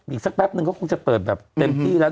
อีกสักแป๊บนึงก็คงจะเปิดแบบเต็มที่แล้ว